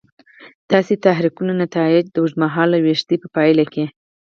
داسې تحریکونو نتایج د اوږد مهاله ویښتیا په پایله کې.